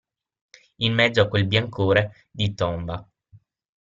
In mezzo a quel biancore di tomba.